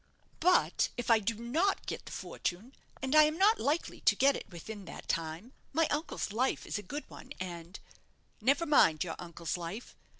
"But if I do not get the fortune and I am not likely to get it within that time; my uncle's life is a good one, and " "Never mind your uncle's life.